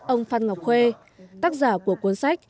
ông phan ngọc khuê tác giả của cuốn sách